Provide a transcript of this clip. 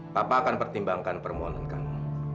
papa akan pertimbangkan permohonan kami